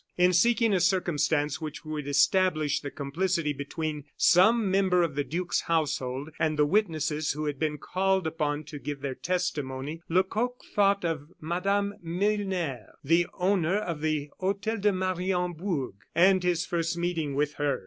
In seeking a circumstance which would establish the complicity between some member of the duke's household and the witnesses who had been called upon to give their testimony, Lecoq thought of Mme. Milner, the owner of the Hotel de Mariembourg, and his first meeting with her.